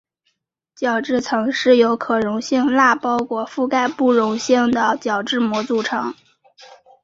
角质层是由可溶性蜡包裹覆盖不溶性的角质膜组成。